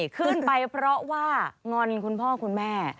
ขึ้นไปเพราะว่างอนคุณพ่อคุณแม่